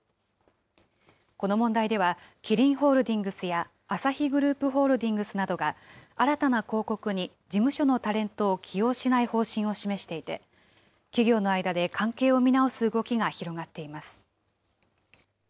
この問題では、キリンホールディングスやアサヒグループホールディングスなどが、新たな広告に事務所のタレントを起用しない方針を示していて、企業の間で関係を見直す動きが広がっています。